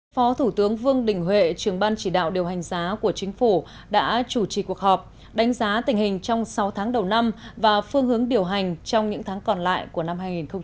phó thủ tướng vương đình huệ trưởng ban chỉ đạo điều hành giá của chính phủ đã chủ trì cuộc họp đánh giá tình hình trong sáu tháng đầu năm và phương hướng điều hành trong những tháng còn lại của năm hai nghìn hai mươi